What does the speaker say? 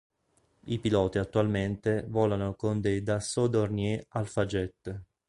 I piloti attualmente volano con dei Dassault-Dornier Alpha Jet.